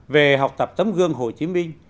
về học tập tấm gương hồ chí minh